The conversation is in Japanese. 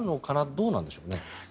どうなんでしょうかね。